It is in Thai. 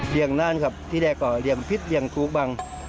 เลี้ยงนานครับที่แดกก็เลี้ยงพิษเลี้ยงกรูบัง